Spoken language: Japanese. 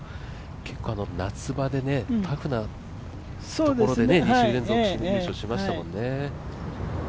結構、夏場でタフなところで２週連続優勝しましたよね。